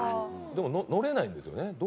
でも乗れないんですよね。